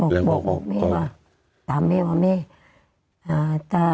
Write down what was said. บอกบอกแม่ว่าตามแม่ว่าแม่